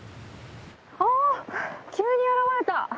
あ急に現れた！